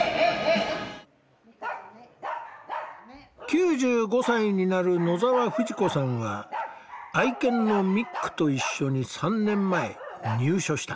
９５歳になる野澤冨士子さんは愛犬のミックと一緒に３年前入所した。